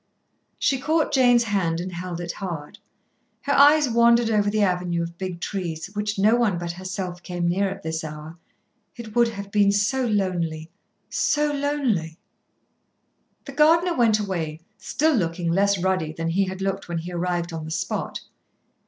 She caught Jane's hand and held it hard. Her eyes wandered over the avenue of big trees, which no one but herself came near at this hour. It would have been so lonely, so lonely! The gardener went away, still looking less ruddy than he had looked when he arrived on the spot.